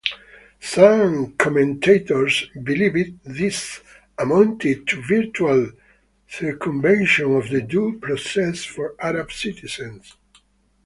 Some commentators believed this amounted to virtual circumvention of due process for Arab citizens.